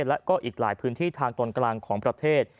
และก็อีกหลายพื้นที่ทางตอนกลางของประเทศ